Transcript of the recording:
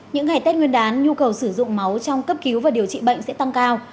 những ngày tết nguyên đán nhu cầu sử dụng máu trong cấp cứu và điều trị bệnh sẽ tăng cao